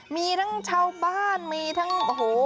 มีทั้งชาวบ้านมีทั้งโอ้โห